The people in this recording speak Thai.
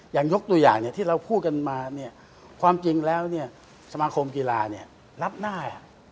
อย่างยกตัวอย่างที่เราพูดกันมาเนี่ยความจริงแล้วเนี่ยสมาคมกีฬาเนี่ยรับหน้า